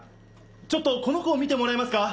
ちょっとこの子を診てもらえますか？